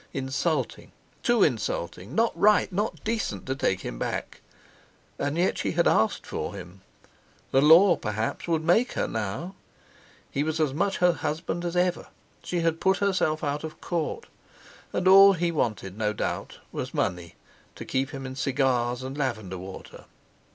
Insulting! Too insulting! Not right, not decent to take him back! And yet she had asked for him; the Law perhaps would make her now! He was as much her husband as ever—she had put herself out of court! And all he wanted, no doubt, was money—to keep him in cigars and lavender water!